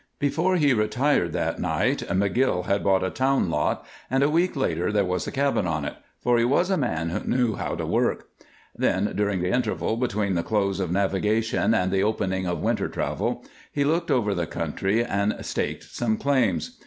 Before he retired that night McGill had bought a town lot, and a week later there was a cabin on it, for he was a man who knew how to work. Then, during the interval between the close of navigation and the opening of winter travel he looked over the country and staked some claims.